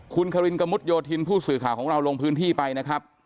คุณคารินกระมุดโยธินผู้สื่อข่าวของเราลงพื้นที่ไปนะครับ